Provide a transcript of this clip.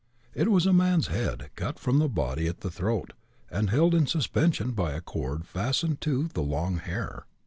It was a man's head, cut from the body at the throat, and held in suspension by a cord fastened to the long hair.